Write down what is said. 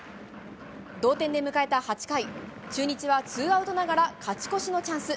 同点で迎えた８回、中日はツーアウトながら勝ち越しのチャンス。